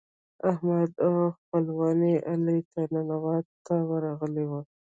احمد او خپلوان يې علي ته ننواتو ته ورغلي ول.